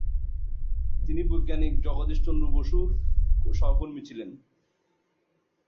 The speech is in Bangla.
তিনি বৈজ্ঞানিক জগদীশ চন্দ্র বসুর সহকর্মী ছিলেন।